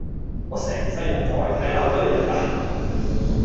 我成世人就係睇漏咗你一眼